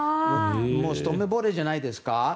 もうひと目ぼれじゃないですか。